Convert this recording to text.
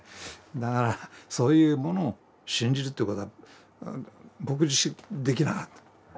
だからそういうものを信じるということは僕自身できなかった。